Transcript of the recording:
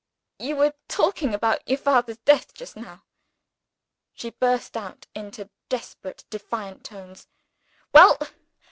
"You were talking about your father's death just now," she burst out, in desperate defiant tones. "Well!